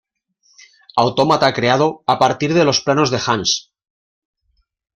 Autómata creado a partir de los planos de Hans.